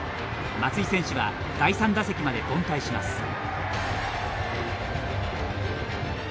松井選手は第３打席まで凡退します。